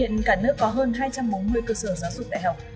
hiện cả nước có hơn hai trăm bốn mươi cơ sở giáo dục đại học